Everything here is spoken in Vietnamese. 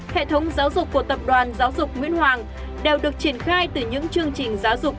hệ thống giáo dục của tập đoàn giáo dục nguyễn hoàng đều được triển khai từ những chương trình giáo dục